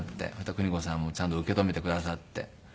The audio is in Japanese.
邦子さんもちゃんと受け止めてくださって。